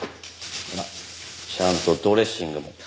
ほらちゃんとドレッシングも。